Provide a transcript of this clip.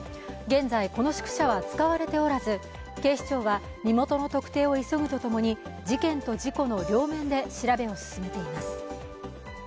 現在、この宿舎は使われておらず警視庁は身元の特定を急ぐとともに事件と事故の両面で調べを進めています。